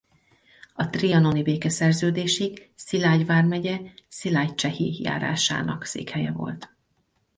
A trianoni békeszerződésig Szilágy vármegye Szilágycsehi járásának székhelye volt.